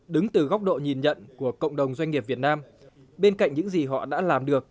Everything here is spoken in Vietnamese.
đứng từ góc độ nhìn nhận của cộng đồng doanh nghiệp việt nam bên cạnh những gì họ đã làm được